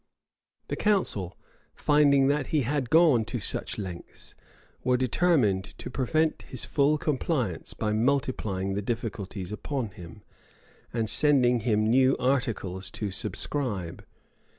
The council, finding that he had gone such lengths, were determined to prevent his full compliance by multiplying the difficulties upon him, and sending him new articles to subscribe.